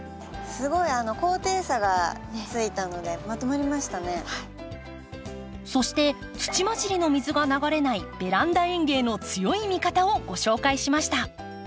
すごいそして土まじりの水が流れないベランダ園芸の強い味方をご紹介しました。